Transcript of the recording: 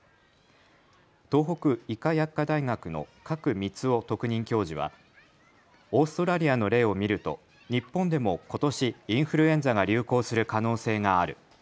東北医科薬科大学の賀来満夫特任教授はオーストラリアの例を見ると日本でもことしインフルエンザが流行する可能性がある。